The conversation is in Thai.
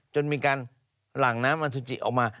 จนมีการหลั่งน้ำอสุจิออกมา